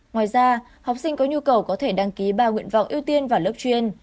ngoài ra học sinh có nhu cầu có thể đăng ký ba nguyện vọng ưu tiên vào lớp chuyên